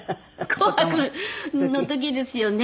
『紅白』の時ですよね。